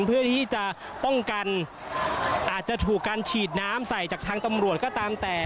เพื่อที่จะป้องกันอาจจะถูกการฉีดน้ำใส่จากทางตำรวจก็ตามแต่